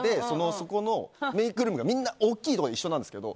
そこのメイクルームがみんな、大きいところで一緒なんですけど。